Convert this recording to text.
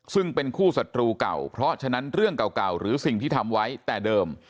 ซึ่งเป็นคู่ศัตรูเก่าเพราะฉะนั้นเรื่องเก่าหรือสิ่งที่ทำไว้แต่เดิม